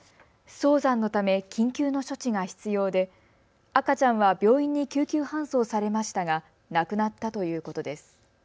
早産のため緊急の処置が必要で赤ちゃんは病院に救急搬送されましたが亡くなったということです。